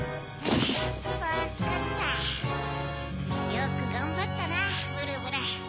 よくがんばったなブルブル。